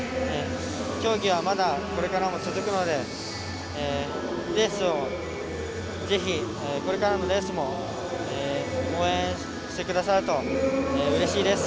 競技はまだこれからも続くのでぜひ、これからのレースも応援してくださるとうれしいです。